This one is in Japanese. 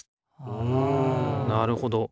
うんなるほど。